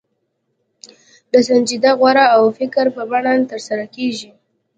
د سنجیده غور او فکر په بڼه ترسره کېږي.